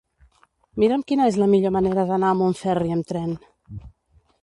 Mira'm quina és la millor manera d'anar a Montferri amb tren.